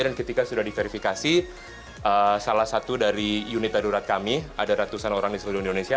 dan ketika sudah diverifikasi salah satu dari unit darurat kami ada ratusan orang di seluruh indonesia